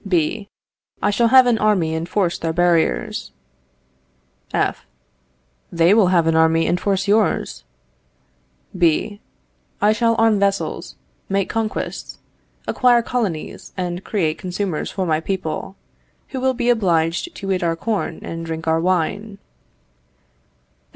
B. I shall have an army and force their barriers. F. They will have an army and force yours. B. I shall arm vessels, make conquests, acquire colonies, and create consumers for my people, who will be obliged to eat our corn and drink our wine.